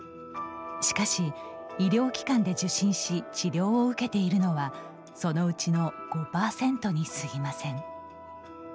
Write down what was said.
しかし、医療機関で受診し治療を受けているのはそのうちの５％にすぎません。